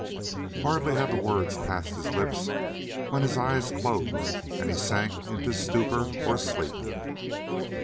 Hardly had the words passed his lips when his eyes closed and he sank into stupor or sleep.